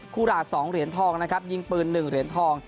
คุรา๒เหรียญทองยิงปืน๑เหรียญทอง